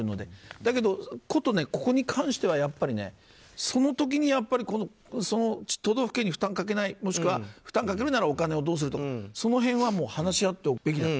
だけど、こと、ここに関してはやっぱりその時に都道府県に負担をかけないかけるならお金をどうするかとかその辺は話し合っておくべきだと。